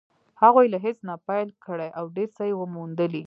هغوی له هېڅ نه پيل کړی او ډېر څه يې موندلي.